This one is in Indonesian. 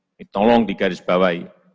ini tolong digarisbawahi